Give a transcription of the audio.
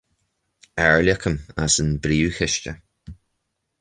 Airleacain as an bPríomh-Chiste.